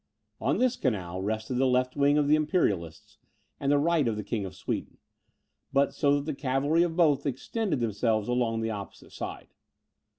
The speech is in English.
On this canal, rested the left wing of the Imperialists, and the right of the King of Sweden; but so that the cavalry of both extended themselves along the opposite side.